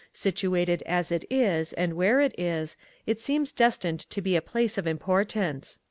Situated as it is and where it is, it seems destined to be a place of importance."